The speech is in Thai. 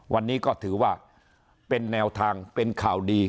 วันนี้ก็ถือว่าเป็นแนวทางเป็นข่าวดี